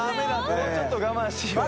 もうちょっと我慢しようよ